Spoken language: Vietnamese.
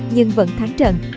nhưng vẫn thắng trận